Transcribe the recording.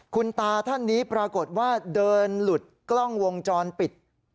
คุณตาท่านนี้ปรากฏว่าเดินหลุดกล้องวงจรปิด